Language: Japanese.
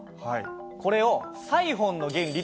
これを「サイホンの原理」。